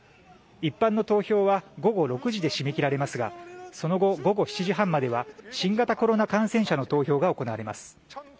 一般の投票は午後６時で締め切られますがその後、午後７時半までは新型コロナ感染者の投票が行われます。